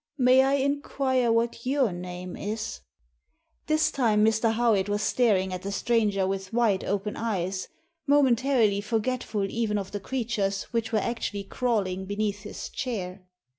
May I inquire what your name is?" This time Mr. Howitt was staring at the stranger with wide open eyes, momentarily forgetful even of the creatures which were actually crawling beneath his chair.